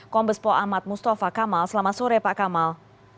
kombespo ahmad mustafa kamal selamat sore pak kamal